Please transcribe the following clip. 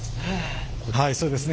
はいそうですね